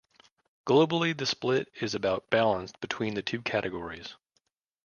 Globally the split is about balanced between the two categories.